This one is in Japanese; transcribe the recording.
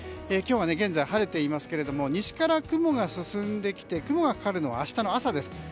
今日は現在晴れていますが西から雲が進んできて雲がかかるのが明日の朝です。